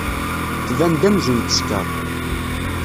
Tban-d amzun teskeṛ.